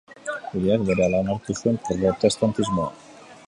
Hiriak berehala onartu zuen protestantismoa.